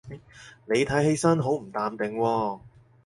你睇起身好唔淡定喎